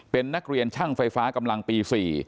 เป็นนักเรียนช่างไฟฟ้ากำลังปี๔